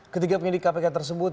ketiga penyidik kpk tersebut